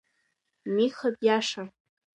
Миха диашам!